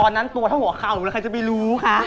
ตอนนั้นตัวเท่าหัวเข่าแล้วใครจะไม่รู้คะ